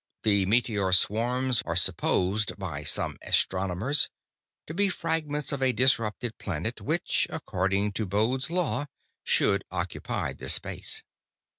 The meteor swarms are supposed by some astronomers to be fragments of a disrupted planet, which, according to Bode's Law, should occupy this space.